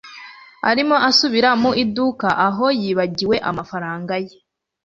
arimo asubira mu iduka aho yibagiwe amafaranga ye